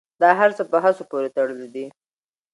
دا هر څه په هڅو پورې تړلي دي.